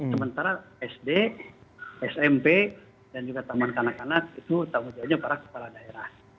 sementara sd smp dan juga taman kanak kanak itu tanggung jawabnya para kepala daerah